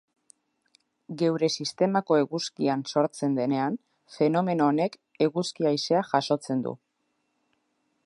Geure sistemako eguzkian sortzen denean, fenomeno honek eguzki-haizea jasotzen du.